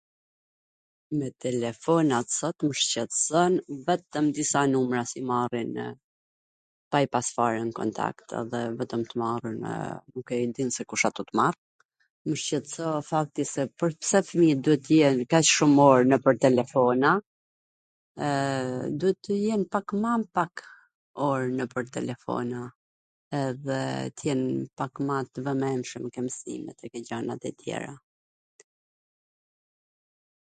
E, si kan me votu njerzit nw vendin tem? ... njw lloj mor votojn, s a se ka ndonj ndryshim,